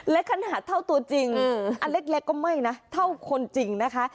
ขนาดเท่าตัวจริงอันเล็กก็ไม่นะเท่าคนจริงนะคะ